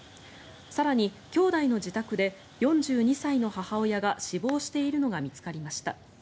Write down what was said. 更に、姉弟の自宅で４２歳の母親が死亡しているのが見つかりました。